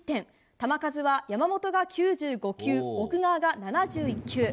球数は山本が９５球奥川が７１球。